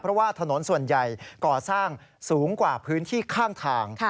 เพราะว่าถนนส่วนใหญ่ก่อสร้างสูงกว่าพื้นที่ข้างทาง